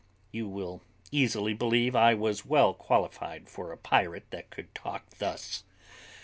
You will easily believe I was well qualified for a pirate that could talk thus.